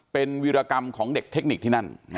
เป็นวิรกรรมของเด็กเทคนิคที่นั่น